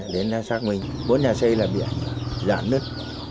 đến xác minh bốn nhà xây là bị giãn nứt